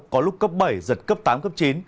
có lúc cấp bảy giật cấp tám cấp chín